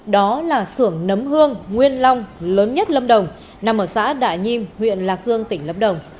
đó là sưởng nấm hương nguyên long lớn nhất lâm đồng nằm ở xã đại nhiêm huyện lạc dương tỉnh lâm đồng